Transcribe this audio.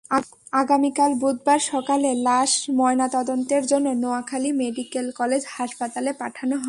আগামীকাল বুধবার সকালে লাশ ময়নাতদন্তের জন্য নোয়াখালী মেডিকেল কলেজ হাসপাতালে পাঠানো হবে।